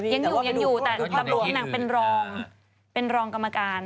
ยังอยู่แต่ภาพรวมที่หนังเป็นรองเป็นรองกรรมการ